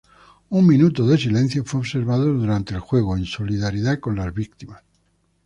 Un minuto de silencio fue observado durante el juego en solidaridad por las víctimas.